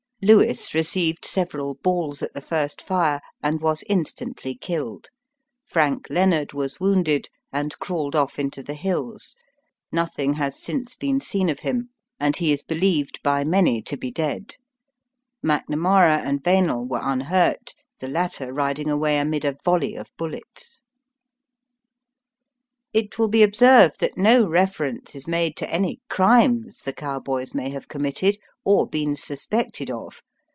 Lewis received several balls at the first fire, and was instantly killed. Frank Leonard was wounded, and crawled off into the hills. Nothing has since been seen of him, and he is believed by many to be Digitized by VjOOQIC 62 EAST BY WEST. dead. McNamara and Vanil were unhurt, the latter riding away amid a volley of bullets." It will be observed that no reference is made to any crimes the cowboys may have committed or been suspected of.